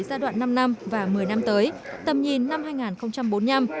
giai đoạn năm năm và một mươi năm tới tầm nhìn năm hai nghìn bốn mươi năm